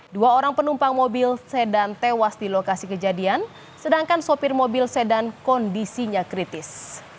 dua orang penumpang mobil sedan tewas di lokasi kejadian sedangkan sopir mobil sedan kondisinya kritis